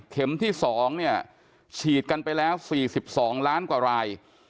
เข็มที่๒ฉีดกันไปแล้ว๔๒ล้านกว่าราย